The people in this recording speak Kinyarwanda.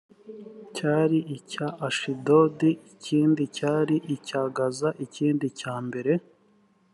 cyari icya ashidodi ikindi cyari icy i gaza ikindi cyambere